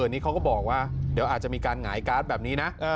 นี่เขาก็บอกว่าเดี๋ยวอาจจะมีการหงายการ์ดแบบนี้นะ